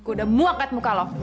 gue udah muak kat muka lo